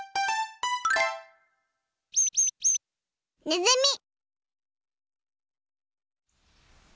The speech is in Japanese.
ねずみ。